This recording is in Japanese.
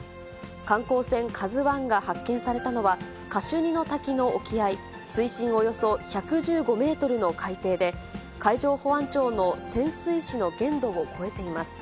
観光船カズワンが発見されたのは、カシュニの滝の沖合、水深およそ１１５メートルの海底で、海上保安庁の潜水士の限度を超えています。